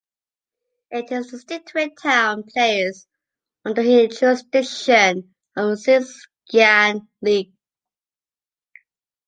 It is a district town placed under he jurisdiction of the Xing’an league.